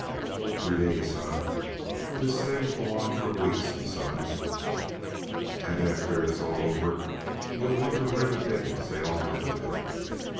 "Two days huh! this thing'll go on for weeks, m'son. And after all is over, you'll wonder where the dickens they all went to.